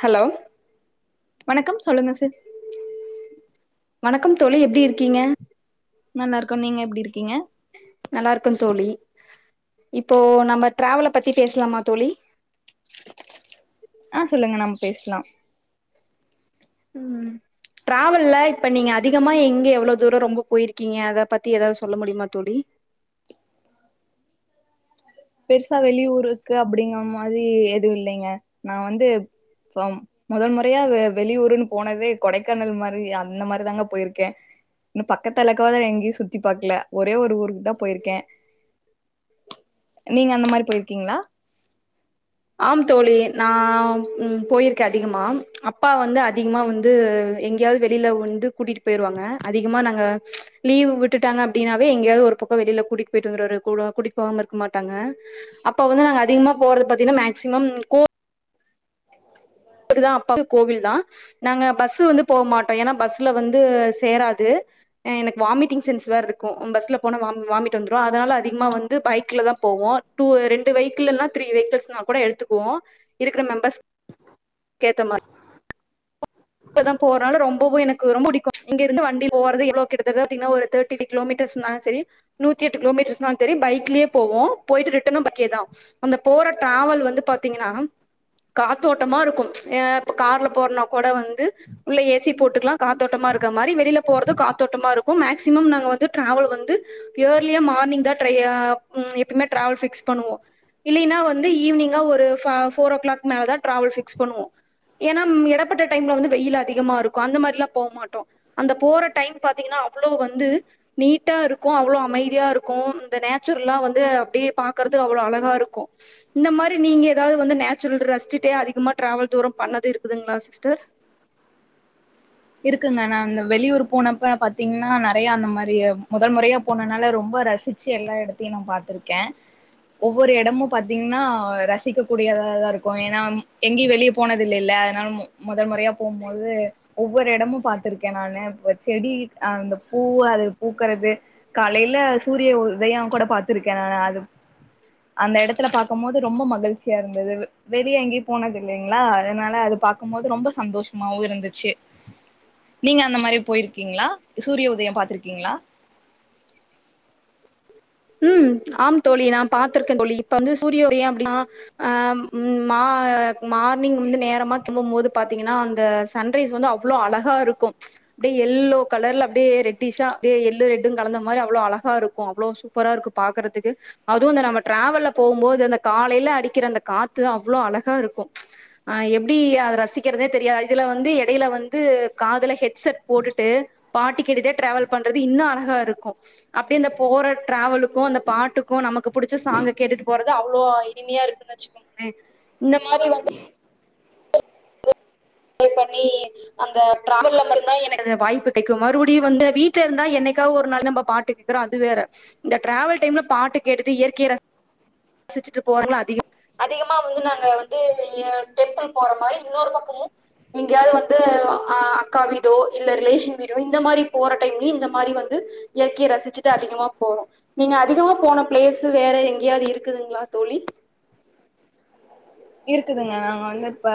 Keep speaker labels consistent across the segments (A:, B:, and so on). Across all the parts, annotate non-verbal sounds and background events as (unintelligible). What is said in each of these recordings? A: hello
B: வணக்கம் சொல்லுங்க ச
A: வணக்கம் தோழி எப்டி இருக்கீங்க
B: நல்லாருக்கோ நீங்க எப்டி இருக்கீங்க
A: நல்லாருக்க தோழி இப்போ நம்ம டிராவல பத்தி பேசலாமா தோழி
B: ஆ சொல்லுங்க நம்ம பேசலா
A: ம் ட்ராவல்ல இப்போ நீங்க அதிகமாக எங்க எவ்ளோ தூர ரொம்ப போய்ருக்கீங்க அத பத்தி எதாவது சொல்ல முடியுமா தோழி
B: பெருசா வெளியூருக்கு அப்டிங்க மாதி எதுவும் இல்லைங்க நா வந்து மொதல் முறையா வெளியூர்ன்னு போனதே கொடைக்கானல் மாரி அந்த மாரி தாங்க போய்ருக்க இன்னு பக்கத்தாள இருக்கவாது எங்கயு சுத்தி பாக்கல ஒரே ஒரு ஊருக்கு தா போய்ருக்க நீங்க அந்த மாரி போய்ருக்கீங்ளா
A: ஆம் தோழி நா ம் போய்ருக்க அதிகமா அப்பா வந்து அதிகமா வந்து எங்கயாவது வெளில வந்து கூட்டிட்டு போய்ருவாங்க அதிகமா நாங்க லீவு விட்டுட்டாங்க அப்டின்னாவே எங்கயாவது ஒரு பக்க வெளில கூட்டிட்டு போய்ட்டு வந்ருவாரு கூட்டிட்டு போகாம இருக்க மாட்டாங்க அப்ப வந்து நாங்க அதிகமா போறது பாத்தீங்கனா மேக்சிமம் கோ அப்பாக்கு கோவில் தா நாங்க பஸ் வந்து போக மாட்டோ ஏன்னா பஸ்ல வந்து சேராது எனக்கு வாமிட்டிங் சென்ஸ் வேர இருக்கு பஸ்ல போன வா வாமிட் வந்துடு அதனால அதிகமா வந்து பைக்ல தா போவோ டூ ரெண்டு வெகிக்கில்னா த்ரீ வெகிக்கில்ஸ்னா கூட எடுத்துக்குவோ இருக்குற மெம்பர்ஸ் கேத்தமாரி இப்பதா போறனால ரொம்பவு எனக்கு ரொம்ப படிக்கு இங்க இருந்து வண்டி போறது எவ்ளோ கிட்டத்தட்ட பாத்தீங்கனா ஒரு தேர்ட்டி கிலோமீட்டர்ஸ் நாளு சரி நூத்தி எட்டு கிலோமீட்டர்ஸ்ன்னாளு சரி பைக்லயே போவோ போய்ட்டு ரிட்டனு பைக்கே தா அந்த போற டிராவல் வந்து பாத்தீங்கனா காத்தோட்டமாருக்கு ஏ இப்ப கார்ல போறனா கூட வந்து உள்ள ஏசி போட்டுக்கலா காத்தோட்டமா இருக்க மாரி வெளில போறது காத்தோட்டமா இருக்கு மேக்சிமம் நாங்க வந்து டிராவல் வந்து ஏர்லியா மார்னிங் தா ட்ரைய ம் எப்பமே டிராவல் பிக்ஸ் பண்ணுவோ இல்லினா வந்து ஈவினிங்கா ஒரு ஃப ஃபோர் ஓ கிளாக் மேலதா டிராவல் ஃபிக்ஸ் பண்ணுவோ ஏன்னா எடப்பட்ட டைம்ல வந்து வெயில் அதிகமா இருக்கு அந்த மாரில்லா போ மாட்டோ அந்த போற டைம் பாத்தீங்கனா அவ்ளோ வந்து நீட்டா இருக்கு அவ்ளோ அமைதியா இருக்கு இந்த நேச்சுரலா வந்து அப்டியே பாக்குறது அவ்ளோ அழகா இருக்கு இந்த மாரி நீங்க எதாவது வந்து நேச்சுரல் ரசிச்சிட்டே அதிகமா டிராவல் தூர பண்ணது இருக்குதுங்களா சிஸ்டர்
B: இருக்குங்க நா இந்த வெளியூர் போனப்ப பாத்தீங்கனா நெறயா அந்த மாரி மொதல் முறையா போனதுனால ரொம்ப ரசிச் ச்சு எல்லா எடத்தையு நா பாத்திருக்க ஒவ்வொரு எடமு பாத்தீங்கனா ரசிக்க கூடியதா தா இருக்கு ஏன்னா எங்கயு வெளிய போனதில்லல்ல அதனால மொதல் முறையா போம்போது ஒவ்வொரு எடமும் பாத்திருக்கேன் நானு இப்ப செடி அந்த பூ அது பூக்கறது காலைல சூரிய உதயோங் கூட பாத்திருக்கேன் நானு அது அந்த எடத்துல பாக்கும்போது ரொம்ப மகிழ்ச்சியா இருந்தது வெளிய எங்கயு போனதில்லைங்ளா அதனால அது பாக்கும்போது ரொம்ப சந்தோஷமாவு இருந்துச்சு நீங்க அந்த மாரி போயிருக்கீங்ளா சூரிய உதயம் பாத்திருக்கீங்ளா
A: ம் ஆம் தோழி நான் பாத்திருக்கேன் தோழி இப்ப வந்து சூரிய உதயம் அப்டின்னா ஆ ம் மா மார்னிங் வந்து நேரமா தும்பும்போது பாத்தீங்கனா அந்த சன்ரைஸ் வந்து அவ்ளோ அழகா இருக்கு அப்டியே எல்லோ கலர்ல அப்டியே ரெட்டிஷ்ஷா அப்டியே எல்லு ரெட்டு கலந்த மாரி அவ்ளோ அழகா இருக்கு அவ்ளோ சூ பரா இருக்கு பாக்கறதுக்கு அதுவு இந்த நம்ம டிராவல்ல போம்போது அந்த காலைல அடிக்கிற அந்த காத்து அவ்ளோ அழகா இருக்கு ஆ எப்டி அத ரசிக்கறதே தெரியாது இதுல வந்து எடையில வந்து காதுல ஹெட்செட் போட்டுட்டு பாட்டு கேட்டுட்டே டிராவல் பண்றது இன்னு அழகா இருக்கு அப்டியே இந்த போ டிராவலுக்கு அந்த பாட்டுக்கு நமக்கு புடிச்ச சாங்க கேட்டுட்டு போறது அவ்ளோ இனிமையா இருக்குனு வேச்சுக்கோங்ளே இந்த மாரி வந்து இப்ப நீ அந்த ட்ராவல்ல பாத்திங்கன்னா எனக்கு வாய்ப்பு கெடைக்கு மறுபடி வந்த வீட்ல இருந்தா என்னைக்கா ஒரு நாள் நம்ம பாட்டு க்றோ அது வேற இந்த டிராவல் டைம்ல பாட்டு கேட்டுட்டு இயற்கைய ரசிச்சுட்டு போறல்ல அதிகோ அதிகமா வந்து நாங்க வந்து டெம்பிள் போற மாரி இன்னொரு பக்கமு எங்கயாது வந்து ஆ அக்கா வீடோ இல்ல ரிலேஷன் வீடோ இந்த மாரி போற டைம்லயு இந்த மாரி வந்து இயற்கைய ரசிச்சுட்டு அதிகமா போவோ நீங்க அதிகமா போன பிளேஸ் வேற எங்கயாது இரு க்குதுங்ளா தோழி
B: இருக்குதுங்க நாங்க வந்து இப்ப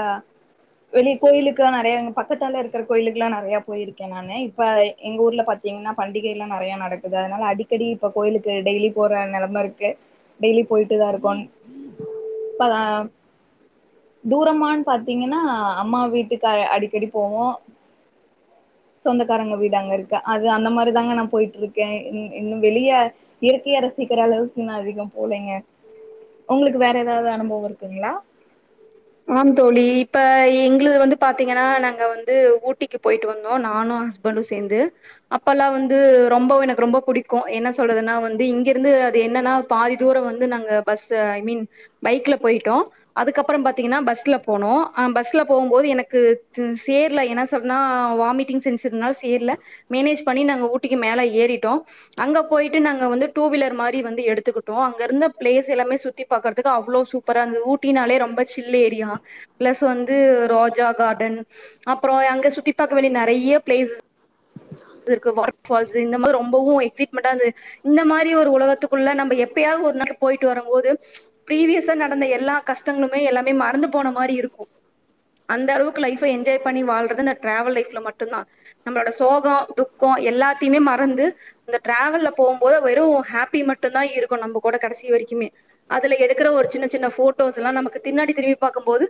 B: வெளிய கோயிலுக்கெல்லா நெறையா இங்க பக்கத்தால இருக்கற கோயிலுக்கெல்லா நெறையா போயிருக்கேன் நானு இப்ப எங்க ஊர்ல பாத்தீங்கன்னா பண்டிகை எல்லா நெறையா நடக்குது அதனால அடிக்கடி இப்ப கோயிலுக்கு டெய்லி போற நெலம இருக்கு டெய்லி போயிட்டுதா இருக்கோங் இப்பதான் தூரமான்னு பாத்தீங்கன்னா அம்மா வீட்டுக்கு அடிக்கடி போவோ சொந்தக்காரங்க வீடு அங்க இருக்கு அது அந்த மாரிதாங்க நா போயிட்டு இருக்க இன்னு வெளிய இயற்கைய ரசிக்கிற அளவுக்கு அதிகம் போலங்க உங்களுக்கு வேற எதாவது அனுபவம் இருக்குங்ளா
A: ஆம் தோழி இப்ப எங்களுது வந்து பாத்தீங்கனா நாங்க வந்து ஊட்டிக்கு போயிட்டு வந்தோ நானு ஹ ஸ்பண்ட்டு சேந்து அப்பல்லா வந்து ரொம்ப எனக்கு ரொம்ப புடிக்கு என்ன சொல்றது நா வந்து இங்கிருந்து அது என்னனா பாதி தூரோ வந்து நாங்க பஸ் ஐ மீன் பைக்ல போயிட்டோ அதுக்கப்றோ பாத்தீங்கனா பஸ்ல போனோ பஸ்ல போம்போது எனக்கு து சேர்ல என்ன சொன்னனா வாமிட்டிங் சென்ஸ் தேர்ல மேனேஜ் பண்ணி நாங்க ஊட்டிக்கு மேல ஏறிட்டோ அங்க போயிட்டு நாங்க வந்து டூவீலர் மாரி வந்து எடுத்துக்கிட்டோ அங்கிருந்த பிளேஸ் எல்லாமே சுத்தி பாக்கறதுக்கு அவ்ளோ சூப்பரா இருந்தது ஊட்டினாலே ரொம்ப ஜில் ஏரியா பிளஸ் வந்து ரோஜா கார்டன் அப்றோ அங்க சுத்தி பாக்க வேண்டிய நெறைய பிளேஸ் இருக்கு வாட்டர்ஃபால்ஸ் இந்த மாரி ரொம்பவு எக்ஸைட்மெண்டா இருந்துது இந்த மாரி ஒரு உலகத்துக்குள்ள நம்ம எப்பயாது ஒரு நாளு போயிட்டு வரம்போது பீரீவியஸா நடந்த எல்லா கஷ்டங்களுமே எல்லாமே மறந்து போன மாரி இருக்கு அந்த அளவுக்கு லைஃப்ப என்ஜாய் பண்ணி வாழ்றது இந்த டிராவல் லைஃப்ல மட்டுந்தான் நம்மளோட சோகோ துக்கோ எல்லாத்தையுமே மறந்து இந்த டிராவல்ல போம்போது வெறு ஹாப்பி மட்டுந்தா இருக்கு நம்ம கூட கடைசி வரைக்குமே அதுல எடுக்கிற ஒரு சின்ன சின்ன போட்டோஸ் எல்லா நமக்கு பின்னாடி திரும்பி பார்க்கும் போது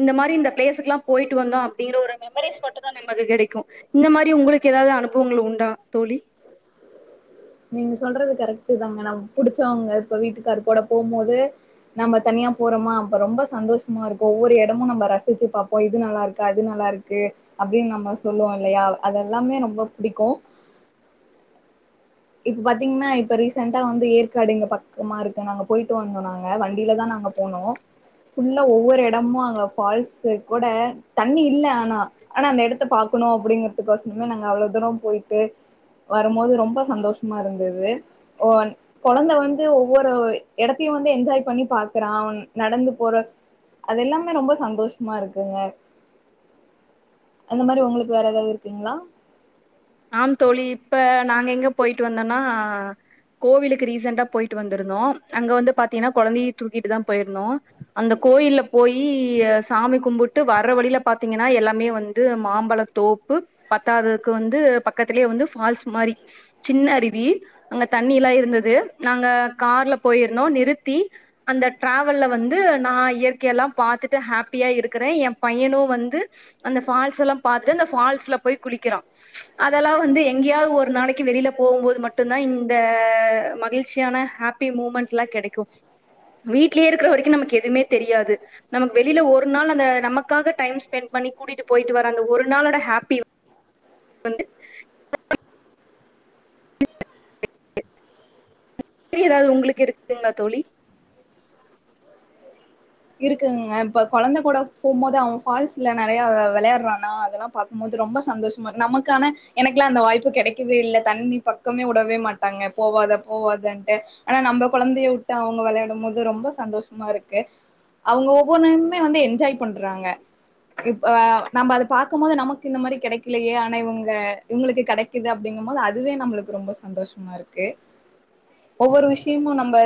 A: இந்த மாரி இந்த பிளேஸ்க்கு எல்லா போயிட்டு வந்தோ அப்டிங்கிற ஒரு மெறீஸ் மட்டு தா நமக்கு கிடைக்கு இந்த மாரி உங்களுக்கு ஏதாவது அனுபவங்கள் உண்டா தோழி
B: நீங்க சொல்றது கரெக்டு தாங்க நம்ம புடிச்சவங்க இப்ப வீட்டுக்காரோட போம்போது நம்ம தனியா போறோமா அப்ப ரொம்ப சந்தோஷமா இருக்கு ஒவ்வொரு இடமு நம்ம ரசிச்சி பார்ப்போ இது நல்லா இருக் கு அது நல்லா இருக்கு அப்டின்னு நம்ம சொல்லுவோ இல்லையா அதெல்லாமே ரொம்போ புடிக்கு இப்ப பாத்தீங்ன்னா இப்ப ரீசென்டா வந்து ஏற்காடு இங்க பக்கமா இருக்கு நாங்க போயிட்டு வந்தோ நாங்க வண்டியிலதா நாங்க போனோ ஃபுல்லா ஒவ்வொரு இடமா அங்க ஃபால்ஸ் கூட தண்ணி இல்ல ஆனா ஆனா அந்த இடத்த பார்க்கணு அப்டிங்கறதுக்கு ஒசமே நாங்க அவ்ளோ தூரம் போயிட்டு வரும்போது ரொம்ப சந்தோஷமா இருந்தது ஓன் கொழந்த வந்து ஒவ்வொரு இடத்தையு வந்து என்ஜாய் பண்ணி பாக்குறான் அவன் நடந்து போற அதெல்லாமே ரொம்ப சந்தோஷமா இருக்குங்க அந்த மாரி உங்களுக்கு வேற ஏதாவது இருக்குங்ளா
A: ஆம் தோழி இப்ப நாங்க எங்க போயிட்டு வந்தோனா கோவிலுக்கு ரீசெண்டா போயிட்டு வந்திருந்தோ அங்க வந்து பாத்தீங்கனா கொழந்தையு தூக்கிட்டு தா போயிருந்தோ அந்த கோயில்ல போயி சாமி கும்பிட்டு வர்ற வழியில பாத்தீங்கன்னா எல்லாமே வந்து மாம்பழ தோப்பு பத்தாததுக்கு வந்து பக்கத்திலேயே வந்து ஃபால்ஸ் மாரி சின்ன அருவி அங்க தண்ணி எல்லா இருந்தது நாங்க கார்ல போயிருந்தோ நிறுத்தி அந்த ட்ராவல்ல வந்து நா இயற்கைய எல்லா பார்த்துட்டு ஹாப்பியா இருக்குற என் பையனு வந்து அந்த ஃபால்ஸ் எல்லா பார்த்து அந்த ஃபால்ஸ்ல போய் குளிக்கிறான் அதெல்லா வந்து எங்கேயாவது ஒரு நாளைக்கி வெளிய போம்போது மட்டு்தா இந்த மகிழ்ச்சியான ஹாப் பி மூமெண்ட்ல்லா கெடைக்கு வீட்லயே இருக்கிற வரைக்கு நமக்கு எதுமே தெரியாது நமக்கு வெளில ஒரு நாள் அந்த நமக்காக டைம் ஸ்பெண்ட் பண்ணி கூட்டிட்டு போயிட்டு வர அந்த ஒரு நாளோட ஹாப்பி வந்து அப்டி ஏதாவது உங்களுக்கு இருக்குங்ளா தோழி
B: இருக்குங்க இப்ப கொழந்த கூட போம்போது அவன் ஃபால்ஸ்ல நறைய விளையாடுறான்னா அதெல்லா பார்க்கும்போது ரொம்ப சந்தோஷமா இரு நமக்கான எனக்குலா அந்த வாய்ப்பு கிடைக்கவே இல்ல தண்ணி ப க்கமே விடவே மாட்டாங்க போவாத போவதுன்ட்டு ஆனா நம்ம கொழந்தைய விட்டு அவுங்க விளையாடும் போது ரொம்ப சந்தோஷமா இருக்கு அவுங்க ஒவ்வொன்னுமே வந்து என்ஜாய் பண்றாங்க இப்ப நம்ம அது பாக்கும்போது நமக்கு இந்த மாரி கெடைக்கலையே ஆனா இவுங்க இவுங்களுக்கு கடைக்குது அப்டிங்கும்போது அதுவே நம்மளுக்கு ரொம்ப சந்தோஷ மா இருக்கு ஒவ்வொரு விஷயமு நம்ம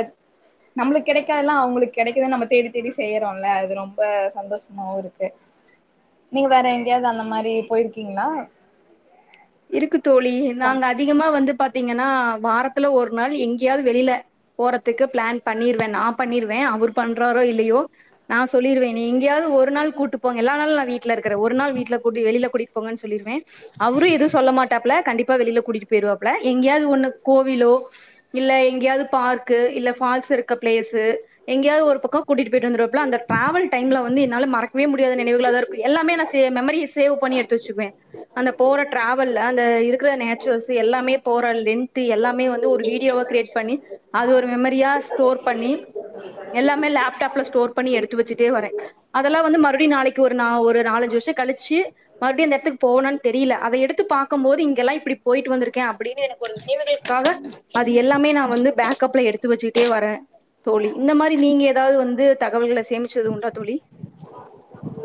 B: நம்மளுக்கு கெடைக்காதுல்லா அவுங்களுக்கு கிடைக்குதுன்னு நம்ம தேடி செய்யறோல்ல அது ரொம்ப சந்தோஷமாவு இருக்கு நீங்க வேற எங்கேயாவது அந்த மாரி போயிருக்கீங்ளா
A: இருக்கு தோழி நாங்க அதிகமா வந்து பாத்தீங்கன்னா வாரத்துல ஒரு நாள் எங்கேயாவது வெளில போறதுக்கு பிளான் பண்ணிருவே நா பண்ணிருவே அவர் பண்றாரோ இல்லையோ நா சொல்லிருவே என்ன எங்கேயாவது ஒரு நாள் கூட்டு போங்க எல்லா நாளு நா வீட்ல இருக்குற ஒரு நாள் விட்ல கூட்டி வெளில கூட்டி போங்கன்னு சொல்லிருவே அவரு எதுவு சொல்ல மாட்டாப்ல கண்டிப்பா வெளில கூட்டிட்டு போயிருவாப்ல எங்கேயாவது ஒண்ணு கோவிலோ இல்ல எங்கேயாவது பார்க்கு இல்ல ஃபால்ஸ் இருக்க பிளேஸ்சு எங்கயாவது ஒரு பக்கோ கூட்டிட்டு போயிட்டு வந்துருவா ப்புல அந்த டிராவல் டைம்ல வந்து என்னால மறக்கவே முடியாத நினைவுகளதா இருக்கு எல்லாமே நா மெமரியை சேவ் பண்ணி எடுத்து வச்சுக்குவே அந்த போற டிராவல் அந்த இருக்கிற நேச்சுரல்ஸ் எல்லாமே போற லென்த்து எல்லாமே வந்து ஒரு வீ வீடியோ வா கிரியேட் பண்ணி அது ஒரு மெமரியா ஸ்டோர் பண்ணி எல்லாமே லேப்டாப்ல ஸ்டோர் பண்ணி எடுத்து வச்சிட்டே வரே அதெல்லா வந்து மறுபடி நாளைக்கு ஒரு நா ஒரு நாலஞ்சு வருஷ கழிச்சு மறுவடியு அந்த இடத்துக்கு போவனான் தெரியில அத எடு த்து பாக்கம் போது இங்கெல்லா இப்பிடி போயிட்டு வந்துருக் கே அப்படினு எனக்கு ஒரு நினைவுகளுக்காக அது எல்லாமே நா வந்து பேக் கப்ல எடுத்து வச்சுட்டே வரே தோழி இந்த மாரி நீங்க ஏதாவது வந்து தகவல்கள சேமிச்சது உண்டா தோழி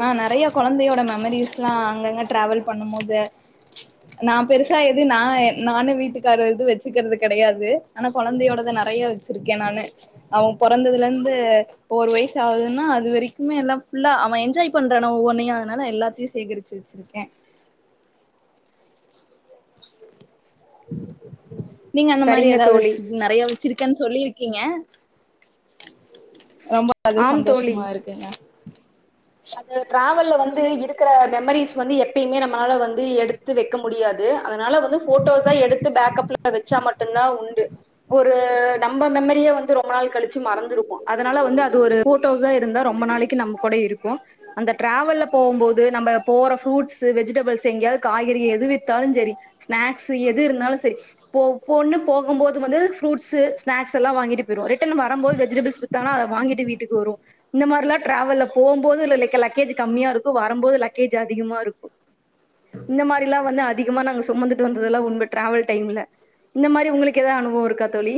B: நா நெறைய கொழந்தையோட மெமரிஸ்லா அங்கங்க ட்ராவல் பண்ணும் போது நா பெருசா எது நா எ நானு வீட்டுக்காரர்து வெச்சுக்கிறது கெடையாது ஆனா கொழந்தையோடத நெறைய வச்சிருக்கே நானு அவ பொறந்ததுலலிருந்து இப்ப ஒரு வயசு ஆவுது ஏன்னா அது வரைக்குமே எல்லா ஃபுல்லா அவ என்ஜாய் பண்றா நா ஒவ்வொன்னையு அதனால எல்லாத்தையு சேகரிச்சு வெச்சிருக்கே நீங்க அந்த மாரி
A: சரிங்க
B: ஏதாவது
A: தோழி
B: வெச்சிருக்கிங் நெறைய வெச்சிருக்கேன் சொல்லிரு கீங்க ரொம்ப அது
A: ஆம் தோழி
B: சந்தோஷமா இருக்குங்க
A: அது டிராவல்ல வந்து இருக்கற மெமரிஸ் வந்து எப்பயுமே நம்மளால வந்து எடுத்து வெக் க்க முடியாது அதனால வந்து ஃபோட்டோஸ்சா எடுத்து பேக்கப்ல வெச்ச மட்டுந்தா உண்டு ஒரு நம்ப மெமரியே வந்து ரொம்ப நாள் கழி ச்சி மறந்துருபோ அதனால வந்து அது ஒரு ஃபோட்டோஸ்சா இருந்தா ரொம்ப நாளைக்கு நம்ம கூட இருக்கு அந்த டிராவல்ல போம் போது நம்ம போற ஃப்ரூட்ஸ்சு வெஜிடபிள்ஸ்சு எங்கயாவது காய்கறி எது வித்தாலு செரி ஸ்நாக்ஸ்சு எது இருந்தாலு செரி போ போன்னு என்றால் நீ போகும் போது வந்து ஃரூட்ஸ்சு ஸ்நாக்ஸ் எல்லா வாங்கிட்டு போயிருவோ ரிட்டர்ன் வரம்போது வெஜிடபிள்ஸ் த்தானா அத வாங்கிட்டு வீட்டுக்கு வருவோ இந்த மாரிலா டிராவல்ல போம் போது இல்லலேக லக்கேஜு கம்மியா இருக்கு வரம்போது லக்கேஜ் அதிகமா இருக்கு இந்த மாரில்லா வந்து அதிகமா நாங்க சுமந்துட்டு வந்ததெல்லா (unintelligible) டிராவல் டைம்ல இந்த மாரி உங்களுக் ஏதா அனுபவோ இருக்கா தோழி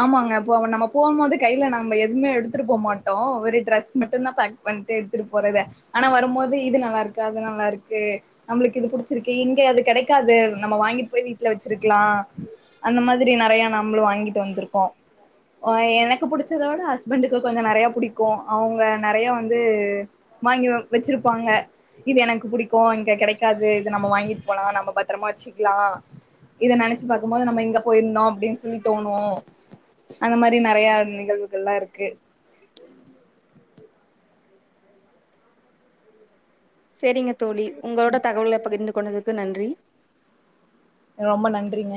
B: ஆமாங்க இப்ப ஒ நாம்ப போம் போது கையில நாம்ப எதுவுமே எடுத்துட்டு போ மாட்டோ ஒரு டிரெஸ் மட்டுந்தா பேக் பண்ட்டு எடுத்துட்டு போறது ஆனா வரும்போது இது நல்லா இருக்கு அது நல்லா இருக்கு நம்முளுக்கு இது புடிச்சிருக்கு இங்க அது கெடைக்காது நாம்ப வாங்கிட் போய் வீட்ல வெச்சிருக்கலா அந்த மாதிரி நெறைய நம்மளு வாங்கிட்டு வந்திருக்கோ ஒ எனக்கு புடிச்சத விட ஹஸ்பண்டுக்கு கொஞ்சோ நெறைய புடிக்கோ அவங்க நெறைய வந்து வாங்கி வெப் வெச்சிருப்பாங்க இது எனக்கு புடிக்கு இங்க கெடைக்காது இது நம்ம வாங்கிட்டு போலா நம்ம பத்தரமா வெச்சுக்லா இத நெனச்சு பாக்கும்போது நாம்ப எங்க போயிருந்தோ அப்டின் சொல்லி தோன் னு அந்த மாரி நெறைய நிகழ்வுகள்லா இருக்கு
A: செரிங்க தோழி உங்களோட தகவல பகிர்ந்து கொண்டதுக்கு நன்றி
B: ரொம்ப நன்றிங்க